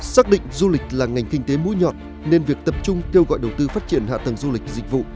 xác định du lịch là ngành kinh tế mũi nhọn nên việc tập trung kêu gọi đầu tư phát triển hạ tầng du lịch dịch vụ